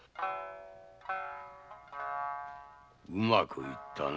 うまくいったな。